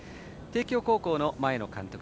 帝京高校の前の監督